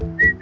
ya udah deh